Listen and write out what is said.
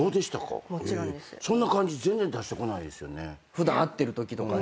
普段会ってるときとかに。